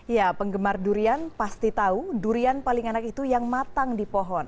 ya penggemar durian pasti tahu durian paling enak itu yang matang di pohon